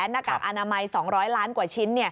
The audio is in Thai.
หน้ากากอนามัย๒๐๐ล้านกว่าชิ้น